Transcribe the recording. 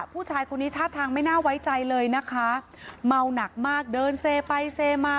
ผู้ชายคนนี้ท่าทางไม่น่าไว้ใจเลยนะคะเมาหนักมากเดินเซไปเซมา